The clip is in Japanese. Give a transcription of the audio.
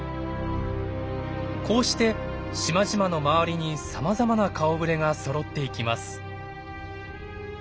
こうして島々の周りにさまざまな顔ぶれがそろっていきます。